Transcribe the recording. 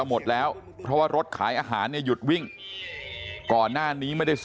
พวกมันกลับมาเมื่อเวลาที่สุดพวกมันกลับมาเมื่อเวลาที่สุด